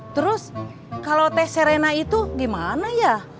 terus kalau teh serena itu gimana ya